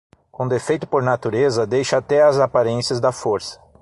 Com defeito por natureza, deixa até as aparências da força.